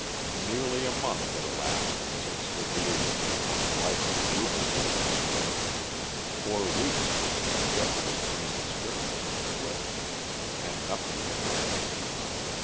Nearly a month had elapsed since the weird attempt on the life of Rupert Ravenspur; four weeks since Geoffrey's strange experience on the cliffs; and nothing had happened.